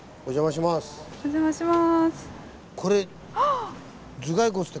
お邪魔します。